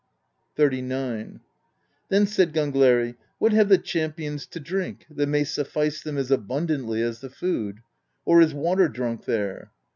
XXXIX. Then said Gangleri :" What have the champions to drink, that may suffice them as abundantly as the food? Or is water drunk there?"